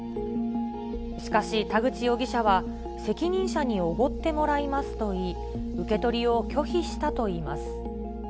しかし、田口容疑者は責任者におごってもらいますと言い、受け取りを拒否したといいます。